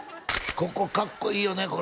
ここかっこいいよね